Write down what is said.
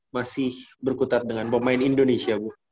masih berkutat dengan pemain indonesia bu